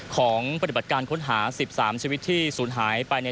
ของปฏิบัติการค้นหา๑๓ชีวิตที่ศูนย์หายไปใน